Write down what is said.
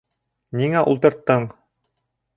Ниңә ултырттың?